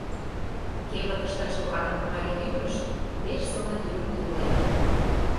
Кевытыште ыштыше-влакын Мария ӱдырышт пеш сылне тӱрым тӱрлен.